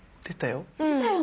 出たよ。